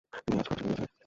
তুমি আজ কফিশপে গিয়েছিলে।